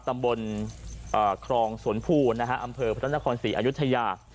ตำบลอ่าครองสวนภูนย์นะฮะอำเภอพระท่านท่านคอนศรีอายุทธยา